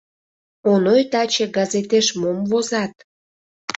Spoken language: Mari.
Оной таче газетеш мом возат?